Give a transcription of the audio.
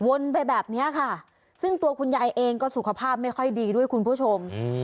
ไปแบบนี้ค่ะซึ่งตัวคุณยายเองก็สุขภาพไม่ค่อยดีด้วยคุณผู้ชม